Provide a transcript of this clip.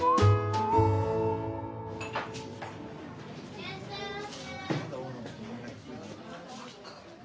いらっしゃいませ。